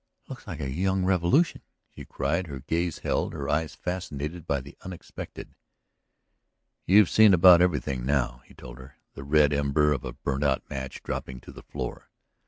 "It looks like a young revolution!" she cried, her gaze held, her eyes fascinated by the unexpected. "You've seen about everything now," he told her, the red ember of a burnt out match dropping to the floor.